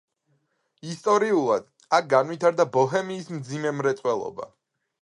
ისტორიულად, აქ განვითარდა ბოჰემიის მძიმე მრეწველობა.